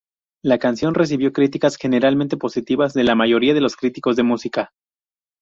La canción recibió críticas generalmente positivas de la mayoría de los críticos de música.